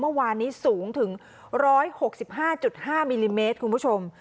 เมื่อวานนี้สูงถึง๑๖๕๕มิลลิเมตรคุณผู้ชม